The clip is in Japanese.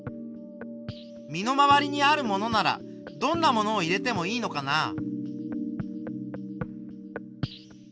身の回りにあるものならどんなものを入れてもいいのかな。